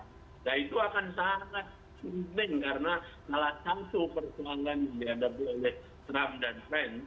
nah itu akan sangat penting karena salah satu persoalan dihadapi oleh trump dan pence